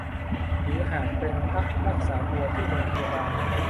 หรือหากต้องพักรักษาตัวที่โรงพยาบาล